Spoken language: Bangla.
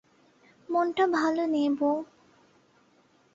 মনটা ভালো নেই বৌ।